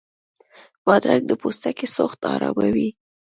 بادرنګ د پوستکي سوخت اراموي.